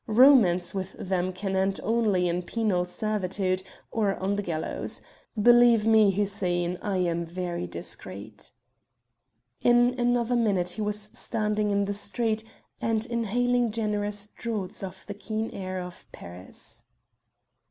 Romance with them can end only in penal servitude or on the gallows. Believe me, Hussein, I am very discreet." In another minute he was standing in the street, and inhaling generous draughts of the keen air of Paris.